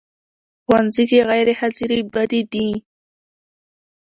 ښوونځی کې غیر حاضرې بدې دي